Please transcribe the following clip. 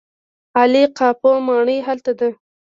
عالي قاپو ماڼۍ هلته ده.